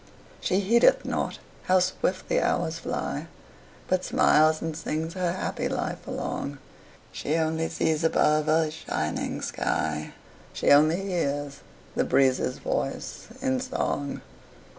She heedeth not how swift the hours fly, But smiles and sings her happy life along; She only sees above a shining sky; She only hears the breezes' voice in song.